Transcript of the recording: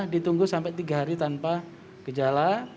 ditunggu sampai tiga hari tanpa gejala